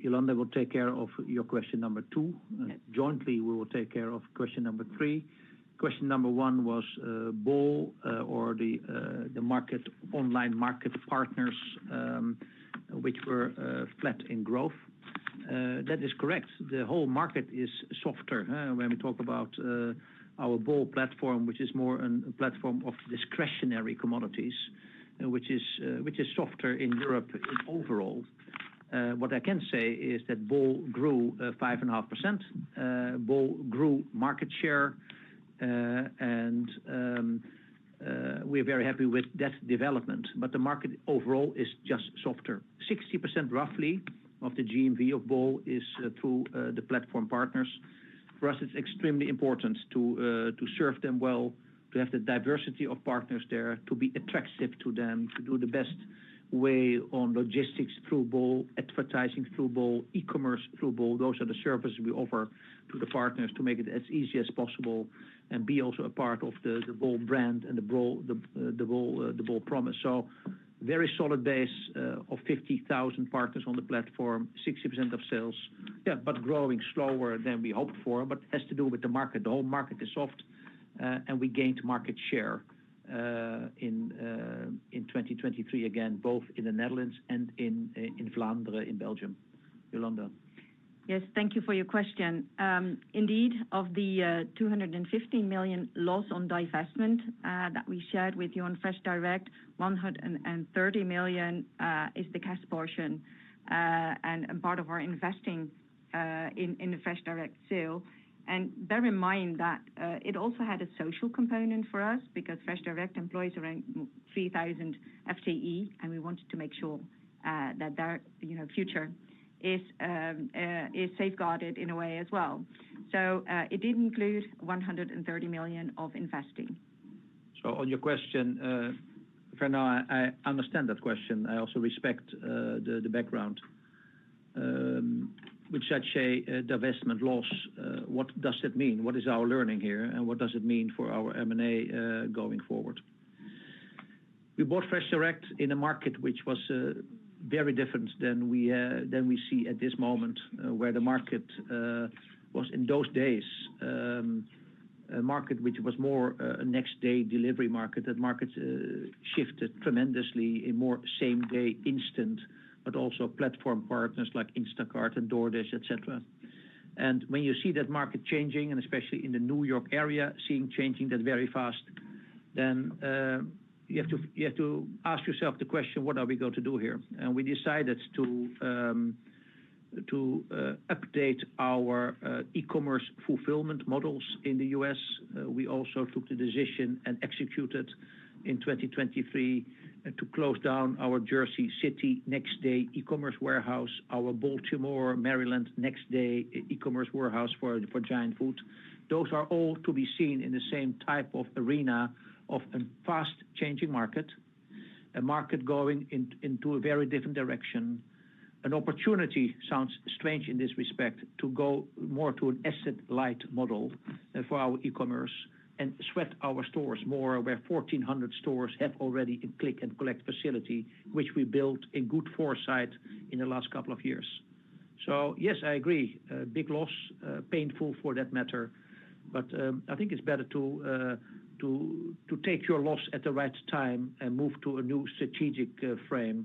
S3: Jolanda will take care of your question number two.
S4: Yes.
S3: Jointly, we will take care of question number 3. Question number 1 was, Bol, or the, the market, online market partners, which were, flat in growth. That is correct. The whole market is softer, huh? When we talk about, our Bol platform, which is more a platform of discretionary commodities, which is softer in Europe overall. What I can say is that Bol grew, 5.5%. Bol grew market share, and we're very happy with that development, but the market overall is just softer. Roughly 60% of the GMV of Bol is through the platform partners. For us, it's extremely important to serve them well, to have the diversity of partners there, to be attractive to them, to do the best way on logistics through Bol, advertising through Bol, e-commerce through Bol. Those are the services we offer to the partners to make it as easy as possible and be also a part of the Bol brand and the Bol promise. So very solid base of 50,000 partners on the platform, 60% of sales. Yeah, but growing slower than we hoped for, but has to do with the market. The whole market is soft, and we gained market share in 2023 again, both in the Netherlands and in Flanders, in Belgium. Jolanda?
S4: Yes, thank you for your question. Indeed, of the 250 million loss on divestment that we shared with you on FreshDirect, 130 million is the cash portion, and part of our investing in the FreshDirect sale. Bear in mind that it also had a social component for us, because FreshDirect employs around 3,000 FTE, and we wanted to make sure that their future is safeguarded in a way as well. It did include 130 million of investing.
S3: So on your question, Fernand, I understand that question. I also respect the background. With such a divestment loss, what does it mean? What is our learning here, and what does it mean for our M&A going forward? We bought FreshDirect in a market which was very different than we see at this moment, where the market was in those days, a market which was more a next day delivery market. That market shifted tremendously in more same-day instant, but also platform partners like Instacart and DoorDash, et cetera. When you see that market changing, and especially in the New York area, seeing changing that very fast, then you have to ask yourself the question, "What are we going to do here?" We decided to update our e-commerce fulfillment models in the U.S. We also took the decision and executed in 2023 to close down our Jersey City next-day e-commerce warehouse, our Baltimore, Maryland, next-day e-commerce warehouse for Giant Food. Those are all to be seen in the same type of arena of a fast-changing market, a market going into a very different direction. An opportunity, sounds strange in this respect, to go more to an asset light model for our e-commerce and sweat our stores more, where 1,400 stores have already a click and collect facility, which we built in good foresight in the last couple of years. So yes, I agree, a big loss, painful for that matter, but I think it's better to take your loss at the right time and move to a new strategic frame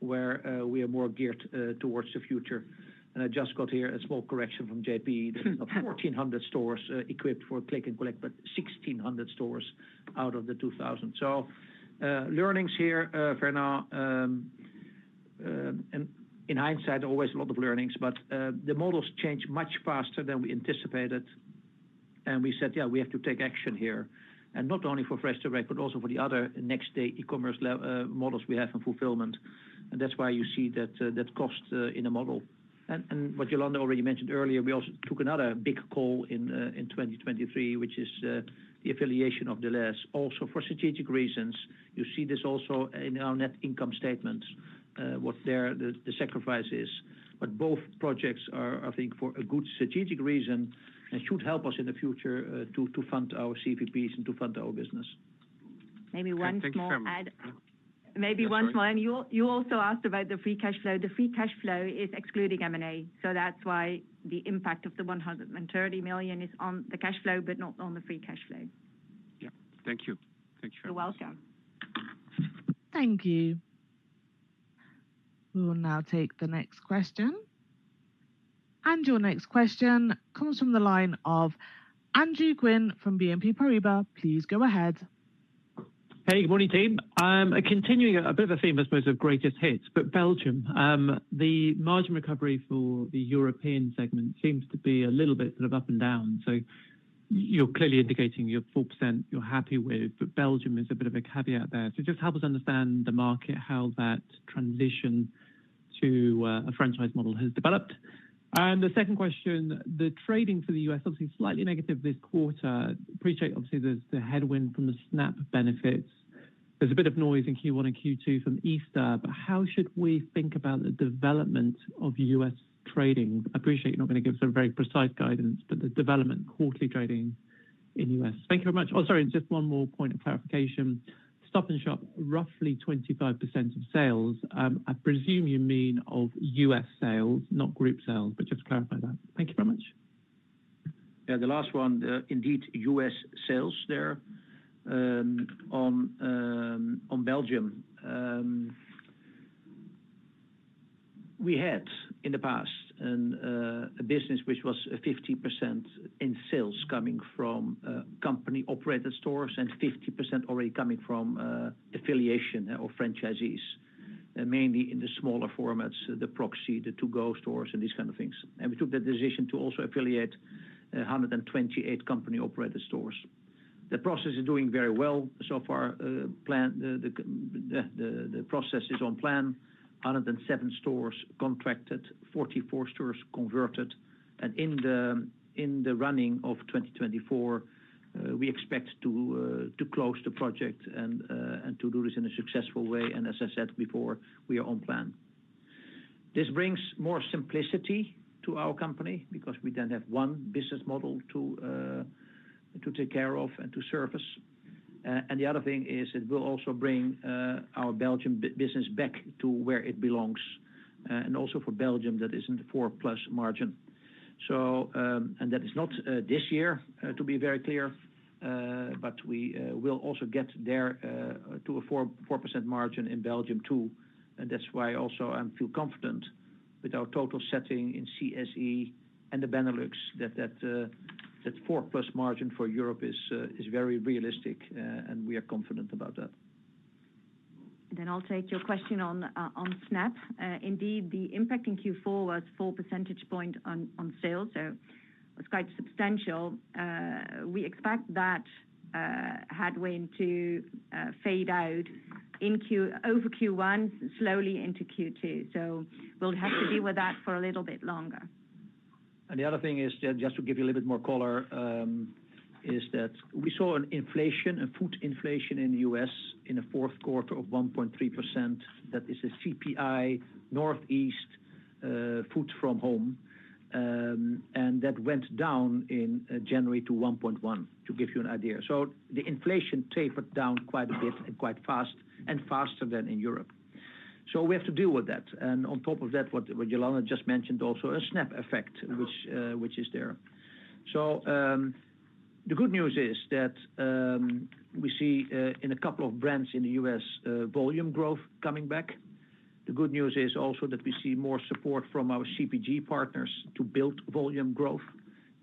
S3: where we are more geared towards the future. And I just got here a small correction from JP, that of 1,400 stores equipped for click and collect, but 1,600 stores out of the 2,000. So, learnings here, for now, and in hindsight, always a lot of learnings, but the models change much faster than we anticipated. We said, "Yeah, we have to take action here," and not only for FreshDirect, but also for the other next day e-commerce models we have in fulfillment. And that's why you see that, that cost, in the model. And, and what Jolanda already mentioned earlier, we also took another big call in, in 2023, which is, the affiliation of Delhaize. Also, for strategic reasons, you see this also in our net income statements, what's there, the, the sacrifices. But both projects are, I think, for a good strategic reason and should help us in the future, to, to fund our CVPs and to fund our business.
S4: Maybe one small add-
S10: Thank you very much.
S4: Maybe one small, and you also asked about the free cash flow. The free cash flow is excluding M&A, so that's why the impact of the 130 million is on the cash flow, but not on the free cash flow.
S10: Yeah. Thank you. Thank you.
S4: You're welcome.
S1: Thank you. We will now take the next question. Your next question comes from the line of Andrew Gwynn from BNP Paribas. Please go ahead.
S11: Hey, good morning, team. I'm continuing a bit of a theme, I suppose, of greatest hits, but Belgium, the margin recovery for the European segment seems to be a little bit sort of up and down. So you're clearly indicating you're 4%, you're happy with, but Belgium is a bit of a caveat there. So just help us understand the market, how that transition to a franchise model has developed. And the second question, the trading for the US, obviously slightly negative this quarter. Appreciate, obviously, there's the headwind from the SNAP benefits. There's a bit of noise in Q1 and Q2 from Easter, but how should we think about the development of US trading? I appreciate you're not going to give some very precise guidance, but the development, quarterly trading in US. Thank you very much. Oh, sorry, just one more point of clarification. Stop & Shop, roughly 25% of sales, I presume you mean of U.S. sales, not group sales, but just to clarify that. Thank you very much.
S3: Yeah, the last one, indeed, U.S. sales there. On Belgium, we had in the past a business which was 50% in sales coming from company-operated stores and 50% already coming from affiliation or franchisees, and mainly in the smaller formats, the Proxy, the To Go stores, and these kind of things. And we took the decision to also affiliate 128 company-operated stores. The process is doing very well so far. The process is on plan. 107 stores contracted, 44 stores converted, and in the running of 2024, we expect to close the project and to do this in a successful way, and as I said before, we are on plan. This brings more simplicity to our company because we then have one business model to take care of and to service. And the other thing is it will also bring our Belgium business back to where it belongs, and also for Belgium, that is in the 4+ margin. And that is not this year, to be very clear, but we will also get there to a 4% margin in Belgium, too. And that's why also I feel confident with our total setting in CSE and the Benelux, that 4+ margin for Europe is very realistic, and we are confident about that.
S4: Then I'll take your question on SNAP. Indeed, the impact in Q4 was 4 percentage point on sales, so it was quite substantial. We expect that headwind to fade out over Q1, slowly into Q2, so we'll have to deal with that for a little bit longer.
S3: The other thing is, just to give you a little bit more color, is that we saw an inflation, a food inflation in the U.S. in the fourth quarter of 1.3%. That is a CPI, Northeast, food from home, and that went down in January to 1.1, to give you an idea. So the inflation tapered down quite a bit and quite fast, and faster than in Europe... So we have to deal with that. And on top of that, what Jolanda just mentioned also, a SNAP effect, which, which is there. So, the good news is that, we see, in a couple of brands in the U.S., volume growth coming back. The good news is also that we see more support from our CPG partners to build volume growth,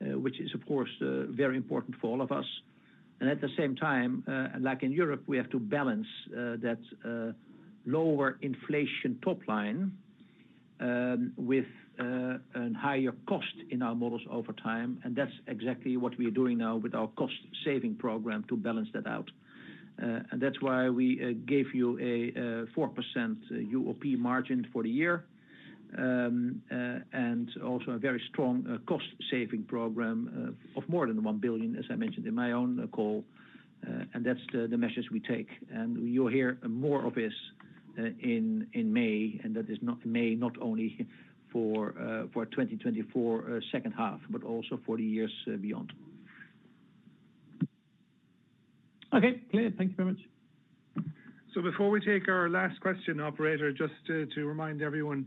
S3: which is, of course, very important for all of us. And at the same time, like in Europe, we have to balance that lower inflation top line with a higher cost in our models over time, and that's exactly what we are doing now with our cost-saving program to balance that out. And that's why we gave you a 4% UOP margin for the year. And also a very strong cost-saving program of more than 1 billion, as I mentioned in my own call, and that's the measures we take. You'll hear more of this in May, and that is not only for 2024 second half, but also for the years beyond.
S11: Okay, clear. Thank you very much.
S2: So before we take our last question, operator, just to remind everyone,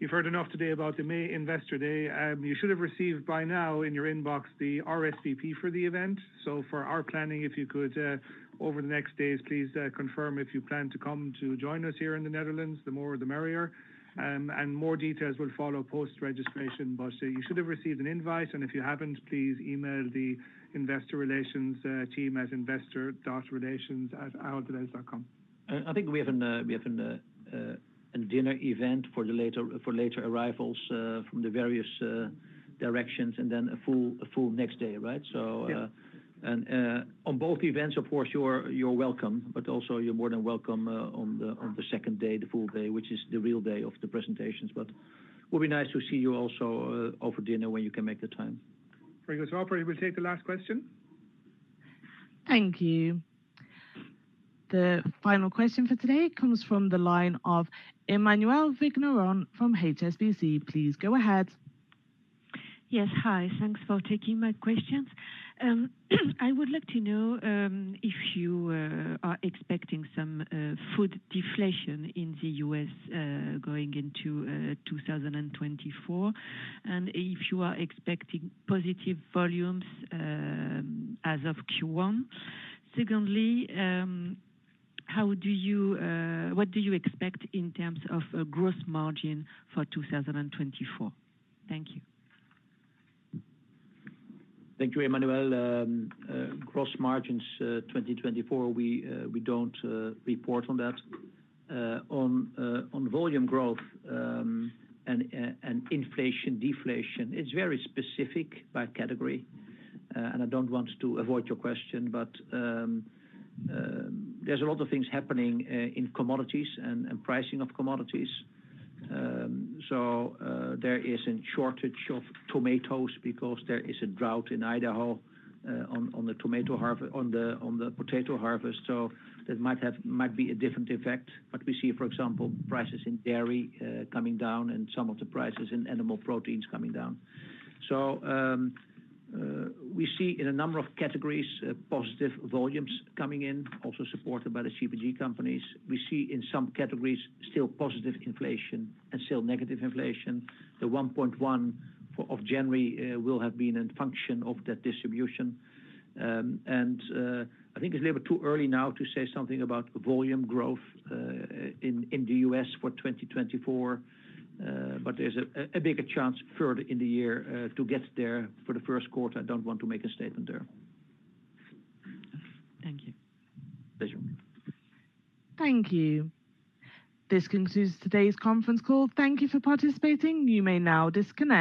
S2: you've heard enough today about the May investor day. You should have received by now in your inbox the RSVP for the event. So for our planning, if you could over the next days, please confirm if you plan to come to join us here in the Netherlands, the more the merrier. And more details will follow post-registration, but you should have received an invite, and if you haven't, please email the investor relations team at investor.relations@aholddelhaize.com.
S3: I think we have a dinner event for later arrivals from the various directions, and then a full next day, right? So-
S2: Yeah.
S3: On both events, of course, you're welcome, but also you're more than welcome on the second day, the full day, which is the real day of the presentations. But it would be nice to see you also over dinner when you can make the time.
S2: Very good. So operator, we'll take the last question.
S1: Thank you. The final question for today comes from the line of Emmanuelle Vigneron from HSBC. Please go ahead.
S12: Yes, hi. Thanks for taking my questions. I would like to know if you are expecting some food deflation in the U.S. going into 2024, and if you are expecting positive volumes as of Q1. Secondly, how do you—what do you expect in terms of gross margin for 2024? Thank you.
S3: Thank you, Emmanuelle. Gross margins, 2024, we don't report on that. On volume growth, and inflation, deflation, it's very specific by category, and I don't want to avoid your question, but there's a lot of things happening in commodities and pricing of commodities. So, there is a shortage of tomatoes because there is a drought in Idaho, on the tomato harve-- on the potato harvest, so that might have, might be a different effect. But we see, for example, prices in dairy coming down and some of the prices in animal proteins coming down. So, we see in a number of categories positive volumes coming in, also supported by the CPG companies. We see in some categories, still positive inflation and still negative inflation. The 1.1% of January will have been a function of that distribution. I think it's a little bit too early now to say something about volume growth in the U.S. for 2024, but there's a bigger chance further in the year to get there. For the first quarter, I don't want to make a statement there.
S12: Thank you.
S3: Pleasure.
S1: Thank you. This concludes today's conference call. Thank you for participating. You may now disconnect.